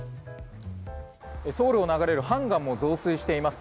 ソウルを流れる川も増水しています。